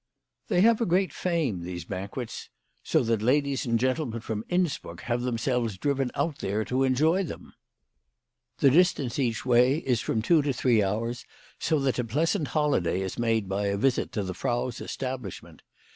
They have a great fame, these banquets ; so that ladies and gentlemen from Innsbruck have themselves driven out here to enjoy them. The distance each way 8 WHY FRAU FROHMAOT RAISED HER PRICES. is from two to three hours, so that a pleasant holiday is made by a visit to the Frau's establishment.